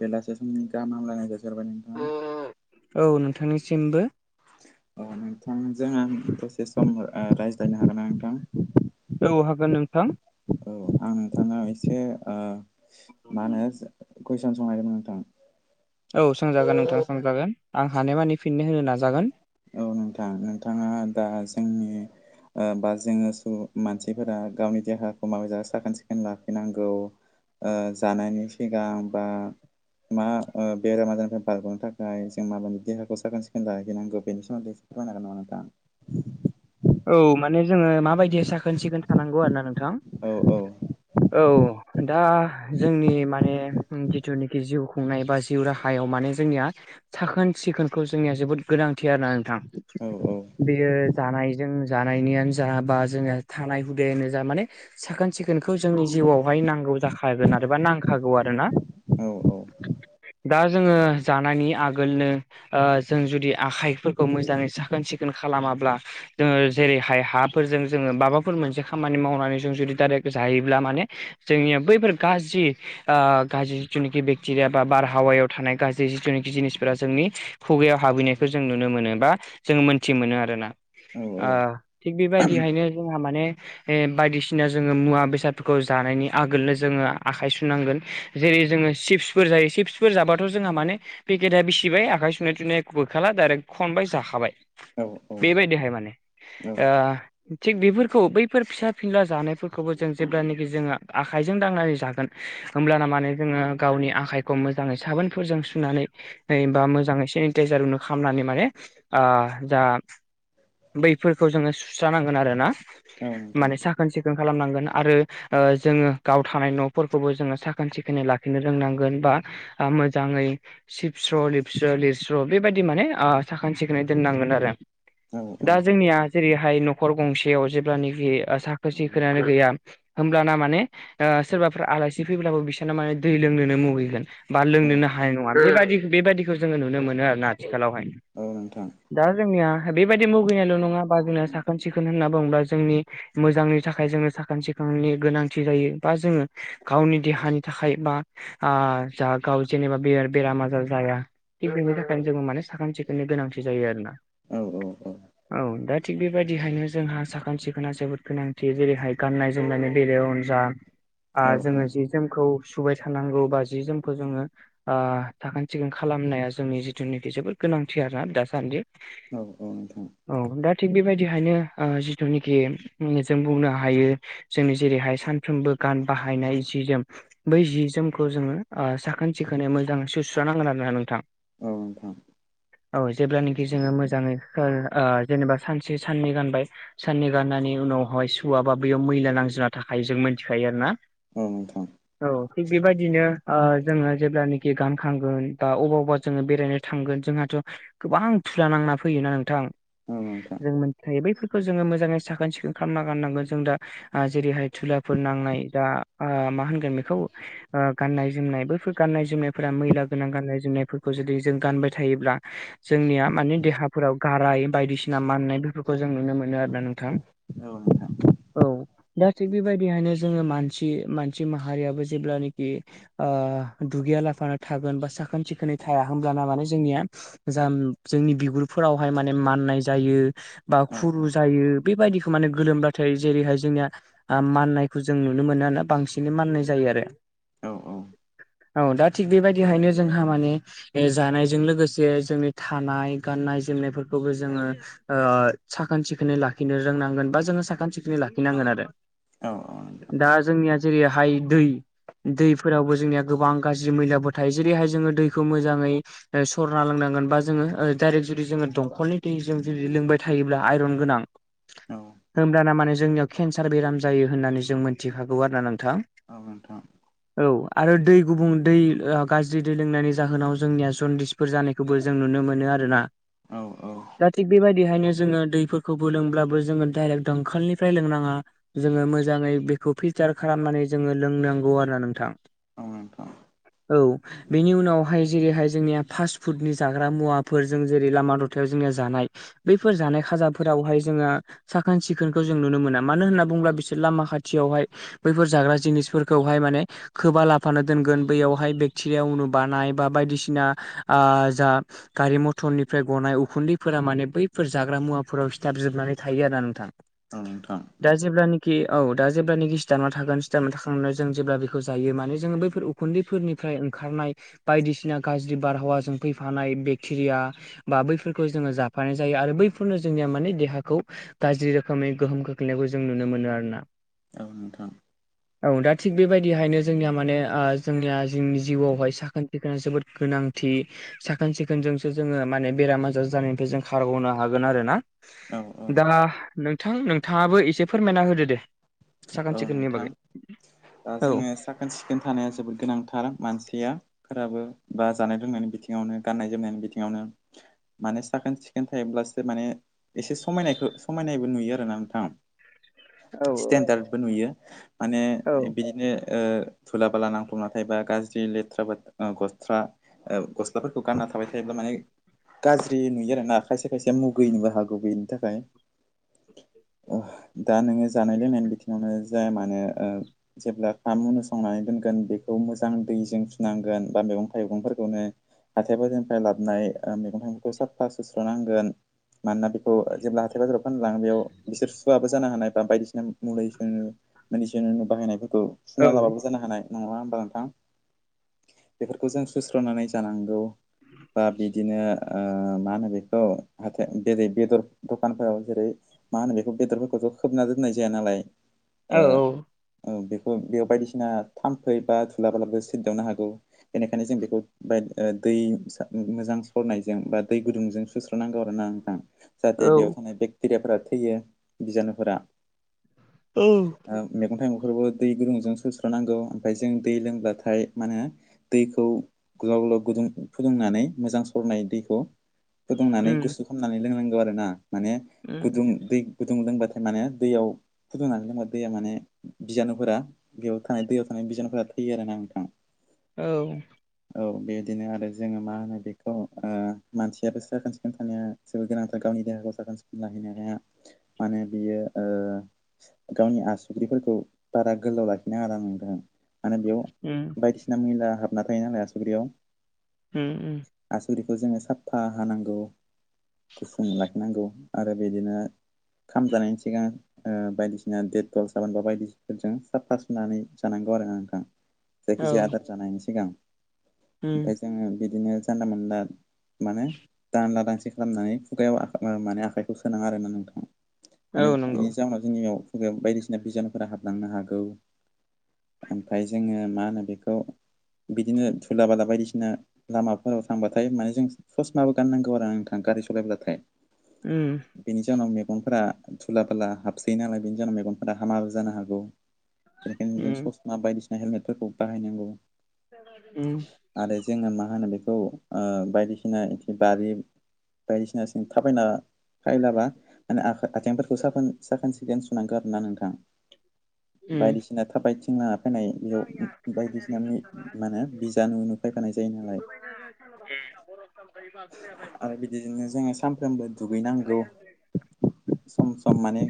बेलासे समनि गाहाम हामलायनाय जासि हरबाय नोंथां। औ नोंथांनिसिमबो। अ नोंथांजों आं दसे सम ओ रायज्लायनो हागोन ना नोंथां। औ हागोन नोंथां। औ आं नोंथांनाव एसे ओ मा होनो कुइसन सोंनो नागिरदों नोंथां। औ सोंजागोन नोंथां सोंजागोन आं हानायमानि फिन होनो नाजागोन। औ नोंथां नोंथाङा दा जोंनि ओ बा जोङो सु मानसिफोरा गावनि देहाखौ माबे जा साखोन सिखोन लाखिनांगौ। ओ जानायनि सिगां बा मा ओ बेराम आजारनिफ्राय बारग'नो थाखाय जों माबायदि देहाखौ साखोन सिखोन लाहैनांगौ। बेनि सोमोन्दै एसे फोरमायनो हागोन नामा नोंथां? औ माने जोङो माबायदि साखोन सिखोन थानांगौ आरो ना नोंथां। औ औ। औ। दा जोंनि माने जिथुनोखि जिउ खुंनाय बा जिउ राहायाव माने जोंनिया साखोन सिखोनखौ जोंनिया जोबोद गोनांथि आरोना नोंथां। औ औ। बेयो जानायजों जानायनियानो जा बा जोङो थानाय हुदायानो जा माने साखोन सिखोनखौ जोंनि जिउआवहाय नांगौ जाखागोन आरोबा नांखागौ आरो ना। औ दा जोङो जानायनि आगोलनो ओ जों जुदि आखाइफोरखौ मोजाङै साखोन सिखोन खालामाब्ला जोङो जेरैहाय हाफोरजों जोङो माबाफोर मोनसे खामानि मावनानै जों जुदि डाइरेक्ट जायोब्ला माने जोंनिया बैफोर गाज्रि ओ गाज्रि जिनिखि बेक्टेरिया बा बारहावायाव थानाय गाज्रि जिथुनिखि जिनिसफोरा जोंनि खुगायाव हाबहैनाय। खौ जों नुनो मोनो बा जों मोन्थि मोनो आरो। औ ओ औ औ थिग बेबायदिहायनो जोंहा माने [unintelligible] बायदिसिना जोङो मुवा बेसादफोरखौ जानायनि आगोलनो जोङो आखाइ सुनांगोन। जेरै जोङो चिप्सफोर जायो चिप्सफोर जाबाथ' जोंहा माने पेकेटआ बिसिबाय आखाइ सुनाय थुनाय [unintelligible] खाला डाइरेक्ट खनबाय जाखाबाय। औ औ। बेबायदिहाय माने औ ओ थिग बेफोरखौ बैफोर फिसा फिनला जानायफोरखौबो जों जेब्लानोखि जोङो आखाइजों दांनानै जागोन। होमब्लाना माने जोङो गावनि आखाइखौ मोजाङै साबोनफोरजों सुनानै नैबा मोजाङै सेनिटाइजारनो खालामनानै माने ओ जा बैफोरखौ जोङो सुस्रानांगोन आरो ना औ नोंथां माने साखोन सिखोन खालामनांगोन आरो ओ जोङो गाव थानाय न'फोरखौबो जोङो साखोन सिखोनै लाखिनो रोंनांगोन बा आ मोजाङै सिबस्र' लिरस्र' लिरस्र' बेबायदि माने साखोन सिखोनै दोननांगोन आरो औ औ दा जोंनिया जेरैहाय न'खर गंसेयाव जेब्लानोखि ओ साखोन सिखोनानो गैया होमब्लाना माने सोरबाफ्रा आलासि फैब्लाबो बिसोरना माने दै लोंनोनो मुगैगोन। बा औ लोंनोनो हानाय नङा बेबायदि बेबायदिखौ जोङो नुनो मोनो आरोना आथिखालावहायनो औ नोंथां दा जोंनिया बेबायदि मुगैनायल' नङा बा जोंना साखोन सिखोन होनना बुङोब्ला जोंनि। मोजांनि थाखाय जोङो साखोन सिखोननि गोनांथि जायो बा जोङो गावनि देहानि थाखाय बा आ जाहा गाव जेनेबा [unintelligible] गिदिर बेमार आजार जाया। थिग बेनि थाखाय जोङो माने साखोन सिखोननि गोनांथि जायो आरोना। औ औ औ औ दा थिग बेबायदिहायनो जोंहा साखोन सिखोना जोबोद गोनांथि जेरैहाय गाननाय जोमनायनि बेलायाव जा औ औ जोङो आ जि जोमखौ सुबाय थानांगौ बा जि जोमखौ जोङो साखोन सिखोन खालामनाया जोंनि जिथुनाखि जोबोद गोनांथि आरोना दासान्दि। औ औ [unintelligible] औ दा थिग बेबायदिहायनो जिथुनिखि जों बुंनो हायो। जोंनि जेरैहाय सानफ्रोमबो गान बाहायनाय जि जोम बै जि जोमखौ जोङो ओ साखोन सिखोनै मोजाङै सुस्रानांगोन आरोना नोंथां। औ नोंथां। औ जेब्लानाखि जोङो मोजाङै ओ जेनेबा सानसे साननै गानबाय साननै गाननायनि उनावहाय सुवा बा बेयाव मैला नांजोबना थाखायो जों मिथिखायो आरो ना औ नोंथां औ थिग बेबायदिनो ओ जोङो जेब्लानोखि गानखांगोन दा अबाब बा जोङो बेरायनो थांगोन जोंहाथ' गोबां दुला नांना फैयोना नोंथां। औ नोंथांं जों मोनथिखायो बैफोरखौ जोङो मोजाङै साखोन सिखोन खालामना गाननांगोन जों दा ओ जेरैहाय थुलाफोर नांनाय ओ दा मा होनगोन बेखौ? गाननाय जोमनाय बैफोर गाननाय जोमनायफोरा मैला गोनां गाननाय जोमनायफोरखौ जुदि जों गानबाय थायोब्ला जोंनिया माने देहाफोराव गाराय बायदिसिना माननाय बेफोरखौ जों नुनो मोनो आरोना नोंथां। औ नोंथां। औ दा थिग बेबायदिहायनो जोङो मानसि मानसि माहारियाबो जेब्लानोखि ओ दुगैया लाफानो थागोन बा साखोन सिखोनै थाया होनोमब्लाना माने जोंनिया जा जोंनि बिगुरफोरावहाय माने माननाय जायो बा औ नोंथां औ खुरु जायो। बेबायदिखौ माने गोलोमबाथाय जेरैहाय जोंनिया ओ माननायखौ जों नुनो मोनो आरो बांसिनै माननाय जायो आरो औ औ औ दा थिग बेबायदिहायनो जोंहा माने जानायजों लोगोसे जोंनि थानाय गाननाय जोमनायफोरखौबो जोङो ओ साखोन सिखोनै लाखिनो रोंनांगोन बा जोङो साखोन सिखोनै लाखिनांगोन आरो औ औ नोंथां दा जोंनिया जेरैहाय दै दैफोरावबो जोंनिया गोबां गाज्रि मैलाबो थायो जेरैहाय जोङो दैखौ मोजाङै सरना लोंनांगोन बा जोङो डाइरेक्ट जुदि जोङो दंखलनि दैजों जुदि लोंबाय थायोब्ला आइरन गोनां औ होमब्लाना माने जोंनियाव केन्सार बेराम जायो होननानै जों मोनथिखागौ आरो ना नोंथां औ नोंथां औ आरो दै गुबुं दै गाज्रि दै लोंनायनि जाहोनाव जोंनिया जनडिस फोर जानायखौबो जों नुनो मोनो आरोना। औ औ दा थिग बेबायदिहायनो जोङो दैफोरखौबो लोंब्लाबो जोङो डाइरेक्ट दंखलनिफ्राय लोंनाङा जोङो मोजाङै बेखौ फिल्टार खालामनानै जोङो लोंनांगौ आरो ना नोंथां औ नोंथां औ बेनि उनावहाय जेरैहाय जोंनिया फास्ट फुडनि जाग्रा मुवाफोर जों जेरै लामा दथायाव जोंनि जानाय बैफोर जानाय खाजाफोरावहाय जोङो साखोन सिखोनखौ जों नुनो मोना मानो होनना बुङोला बिसोर लामा खाथियावहाय बैफोर जाग्रा जिनिसफोरखौहाय माने खोबा लाफानो दोनगोन बैयावहाय बेक्टेरिया उ बानाय बा बायदिसिना आ जा गारि मथर टननिफ्राय गनाय उखुन्दैफोरा माने बैफोर जाग्रा मुवाफोराव सिथाब जोबनानै थायो आरो ना नोंथां ओं नोंथां दा जेल्बानिखि औ दा जेब्लखि स्टाराव थागोन स्टानाव थाखांनानै जों जेब्ला बेखौ जायो माने जोङो बैफोर खुन्दैफोरनिफ्राय ओंखारनाय बायदिसिना गाज्रि बारहावाजों फैफानाय बेक्टेरिया बा बैफोरखौ जोङो जाफानाय जायो आरो बैफोरनो जोंनिया माने देहाखौ गाज्रि रोखोमै गोहोम खोख्लैनायखौ जों नुनो मोनो आरो ना। औ नोंथां [inaudible] औ दा थिग बेबायदिहायनो जोंनिया माने ओ जोंनिया जोंनि जिउआवहाय साखोन सिखोना जोबोद गोनांथि। साखोन सिखोन जोंसो जोङो माने बेराम आजार जानायनिफ्राय जों खारग'नो हागोन आरोना औ औ दा नोंथां नोंथाङाबो एसे फोरमायना होदो दे औ साखोन सिखोननि नोंथां बागै दा औ जोङो साखोन सिखोन थानाया जोबोद गोनांथार मानसिया फोराबो बा जानाय लोंनायनि बिथिङावनो गान्नाय जोमनायनि बिथिङावनो माने साखोन सिखोन थायोब्लासो माने एसे समायनायखौ समायनायबो नुयो आरोना नोंथां। औ स्टेनडार्दबो नुयो माने औ बिदिनो ओ धुला बाला नांफ्लांना नाथायोबा गाज्रि लेथ्रा बा गसथ्रा गस्लाफोरखौ गानना थाबाय थायोब्ला माने गाज्रि नुयो आरोना खायसे खायसे मुगैनोबो हागौ बेनि थाखाय दा नोङो जानायलोंनायनि बिथिङावनो जाया मानो ओ जेब्ला ह उनु संनानै दोनगोन बेखौ मोजां दैजों फिनांगोन बा मैगं थाइगंफोरखौनो हाथाय बाजारनिफ्राय लाबाय मैगं थाइगंखौ साफा सोस्र नांगोन। मानोना अ जेब्ला हाथाय बाजाराव फानलाङो बेयाव बिसोर सुवबो जानो हानाय बा बायदिसिना मुलि सुनो बिनो बाहायनायफोरखौ औ सुना लाबाबो जानो हानाय नङा होमबा नोंथां बेफोरखौ जों सुस्र'नानै जानांगौ बा बिदिनो ओ मा होनो बेखौ हा बेेरै बेदर दखानफोराव जेरै मा होनो बेखौ बेदरफोरखौथ' खोबना दोननाय जाया नालाय औ ओ औ बेखौ बेयाव बायदिसिना थाम्फै बा थुलाब्लाबो सिददावनो हागौ बेनिखायनो जों बेखौ बा ओ दै मोजां सरनायजों बा दै गुदुंजों सुस्र नांगौ आरो ना नोंथां औ जाहाथे बेयाव थानाय बेक्टेरियाफोरा थैयो बिजानुफोरा औ ओ मैगं थाइगंफोरबो दै गुदुंजों सोस्र नांगौ ओमफफ्राय जों दै लोंब्लाथाय मा होनो दैखौ गोलाव गोलाव गुदुं फुदुंनानै मोजां सरनाय दैखौ फुदुंनानै उम गुसु खालामनानै लोंनांगौ आरो ना माने उम गुदुं दै गुदुं लोंबाथाय माने दैयाव फुदुंनानै लोंबा दैया माने बिजानुफोरा बेयाव थानाय दैयाव थानाय बिजानुफोरा थैयो आरो ना नोंथां। औ औ बेबायदिनो आरो जोङो मा होनो बेखौ ओ मानसियाबो साखोन सिखोन थानाया जेबो गोनांथार गावनि देहाखौ साखोन सिखोन लाहैनो हाया मानो बियो गावनि आसुगुफोरखौ बारा गोलाव लाखिनो आ नाङा आरो बेयाव उम बायदिसिना मैला हाबना थायो नालाय आसुगुराव। ओ ओ। आसुगुरखौ जोङो साफा हानांगौ। गुसुं लाखिनांगौ आरो बिदिनो खाम जानायनि सिगां बायदिसिना डेटल साबोन बा बायदिसिफोरजों साफा सुनानै जानांगौ आरो आ नोंथां। जायखिजाया आदार जानायायनि सिगां। ओ। ओमफ्राय जोङो बिदिनो जानला मोनला माने दानला दांसि खालामनानै खुगायाव माने आखाइखौ सोनाङा आरोना नोंथाङा। औ माने नंगौ बिनि जाहोनाव जोंनि बेयाव फग बायदिसिना बिजानुफोरा हाबलांनो हागौ। ओमफफ्राय जोङो मा होनो बेखौ बिदिनो धुला बला बायदिसिना। लामाफोराव थांबाथाय माने जों सर्स्ट माबो गाननांगौ आरो नोंथाङा गारि सालायब्लाथाय। उ। बेनि जाहनाव मेगनफोरा थुला बला हाबसै नालाय बेनि जाहनाव मेगनफोरा हामाबो जानो हागौ। बेनिखायनो जों उम ससमा बायदिसिना हेलमेटफोरखौ बाहायनांगौ। ए। आरो जोङो मा होनो बेखौ बायदिसिना ए बारि। बायदिसिनासिन थाबायना फायलाबा माने आथिेंफोरखौ साखोन साखोन सिखोन सुनांगौ आरोना नोंथां। उम उम बायदिसिना थाबायथिंना फैखानाय बेयाव बायदिसिना माने बिजानानु नुफैफानाय जायो नालाय। आरो बिदिजोंनो जोङो सानफ्रोमबो दुगैनांगौ। सम सम माने।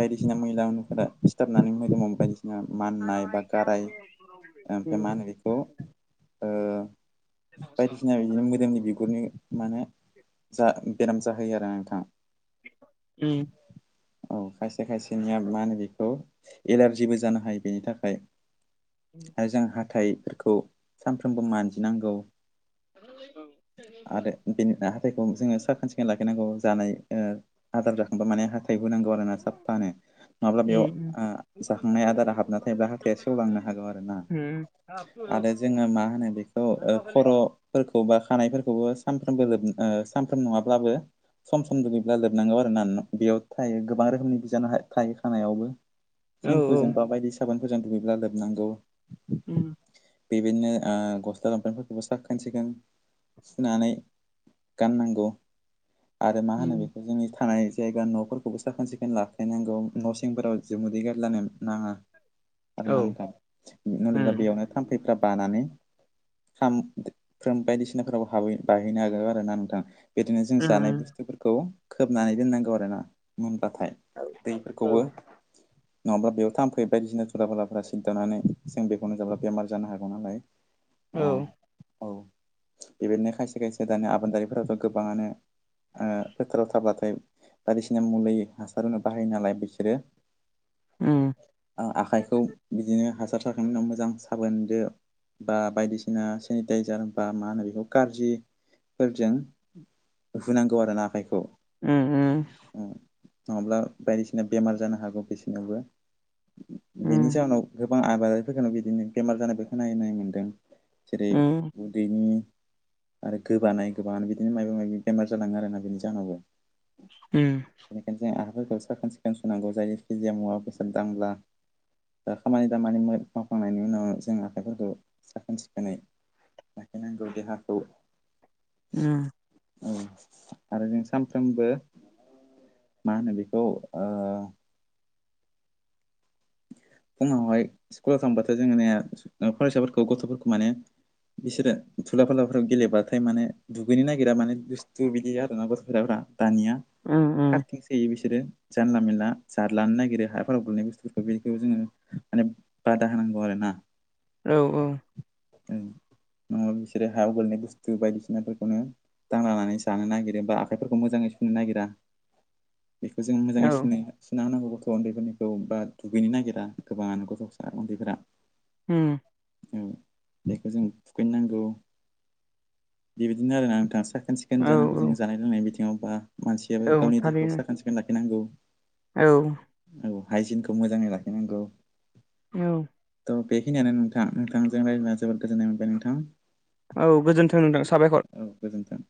बायदिसिना मैला मैथाफोरा सिथाबनानै मोजोम बायदिसिना माननाय बा गाराय ओमफ्राय मा होनो बेखौ ओ बायदिसिना बिदिनो मोदोमनि बिगुरनि माने जा बेराम जाहोयो आरो नोंथां। ओ। औ खायसे खायसेनिया मा होनो बेखौ एलारजिबो जानो हायो बेनि थाखाय। ओ। आरो जों हाथाइफोरखौ सानफ्रोमबो मानजिनांगौ। आरो बेनि हाथायखौ जोङो साखोन सिखोन लाखिनांगौ जानाय। हाजार जाखांबा माने हाथाय होनांगौ आरो ना साफानो। नङाब्ला बेयाव उम जाखांनाय आदारा हाबना थायोब्ला हाथाया सेवलांनो हागौ आरो ना। उम आरो जोङो मा होनो बेखौ खर' फोरखौ बा खानायफोरखौबो सानफ्रामबो सानफ्राम नङाब्लाबो सम सम जुगैब्ला लोब हनांगौ आरो ना बेयाव थायो गोबां रोखोमनि बिजानु थायो खानायावबो। औ औ सेम्पुजों बा बायदि साबोनफोरजों दुगैब्ला लोबनांगौ। उम बेबायदिनो गस्ला लंफेफोरखौबो साखोनसिगोन। फुनानै गाननांगौ आरो मा होनो बे उम जोंनि थानाय जायगा न'फोरखौबो साखोन सिखोन लाखायनांगौ न' सिंफोराव जों मोदै गारलानो नाङा। [inaudible] आरो नांथ उम नलगा बेयावनो थाम्फैफ्रा बानानै। सामफ्रोम बायदिसिनाफोराव बाहैनो हागोन आरोना नोंथां। बिदिनो जों उम जानाय बुस्थुफोरखौ खोबनानै दोननांगौ आरोना। मोनबाथाय औ दैफोरखौबो। नङाब्ला बेयाव थामफैयो बायदिसिना दुलाफुलाफोरा सिदारनानै जों बेखौनो जाब्ला बेमार जानो हागौ नालाय। अ औ। औ बे बायदिनो खायसे खायसे दानि आबादारिफोराथ' गोबाङानो। फोथाराव थाब्लाथाय बायदिसिना मुलि हासार होनो बाहायो नालाय बिसोरो। उम आं आखाइखौ बिदिनो हासार जाखांनायनि उाव मोजां साबोनदो बा बायदिसिना सेनिटाइजार बा मा होनो बेखौ खारजिफोरजों हुनांगौ आरोना आखाइखौ। उम उम नङाब्ला बायदिसिना बेमार जानो हागौ बिसोरनोबो। बेनि उम जाहनाव गोबां आबादारिफोरखौनो बिदिनो बेमार जानायखौ नाय नाय मोन्दों। जेरै उदैनि आरो गोबानाय गोबाङानो बिदिनो माबा माबि बेमार जालाङो आरोना बिनि जाहोनावबो। उम। बेनिखायनो जों आखाइफोरखौ साखोन सिखोन सुनांगौ जायखिजाया मुवा बेसाद दांब्ला खामानि दामानि मावखांनायनि उनाव जों आखाइफोरखौ साखोन सिखोनै लाखिनांगौ देहाखौ। उम। औ। आरो जों सानफ्रोमबो मा होनो बेखौ ओ फुङावहाय स्कुलाव थांबाथ' जोङोनाय फरायसाफोरखौ गथ'फोरखौ माने बिसोरो थुला फलाफोराव गेलेबाथाय माने दुगैनो नागिरा माने दुस्थु बिदि आरोना गथ' फोराफ्रा। दानिया उम उ। खारथिंसोय‌ो बिसोरो जानला मेला जारलानो नागिरो हाफोराव गोलैनाय बुस्थु थ' बेखौ जोङो माने बादा होनांगौ आरोना। औ औ। उम नङाबा बिसोरो हागलनाय बुस्थु बायदिसिनाफोरखौनो दांलानानै जानो नागिरो बा आखाइफोरखौ मोजाङै सुनो नागिरा। बिखो जों मोजाङै सुनाय सुना होनांगौ बेखौ उन्दैनिखौ बा दुगैनो नागिरा गोबाङानो गथ'सा उन्दैफोरा। उम। उम बेखौ जों थुखैनांगौ। बेबायदिनो आरोना नोंथां साखोन सि खोन औ जानांगौ औ जों जानाय लोंनाय बिथिङाव बा औ मानसियाबो गावनि देहाखौ थारैनो साखोन सिखोन लाखिनांगौ। औ। औ हाइजिनखौ मोजाङै लाखिनांगौ। औ। थ' बेखिनियानो नोंथा नोंथांजों रायलायना जोबोद गोजोननाय मोनबाय नोंथां। औ गोजोन्थों नोंथां साबायखर। औ गोजोन्थों।